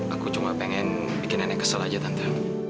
aku cuma pengen bikin nenek kesel aja tante